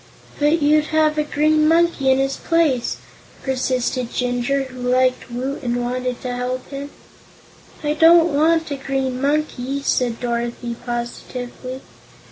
"But you'd have a green monkey in his place," persisted Jinjur, who liked Woot and wanted to help him. "I don't want a green monkey," said Dorothy positively.